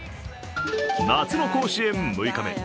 夏の甲子園６日目。